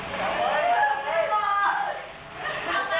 สวัสดีครับ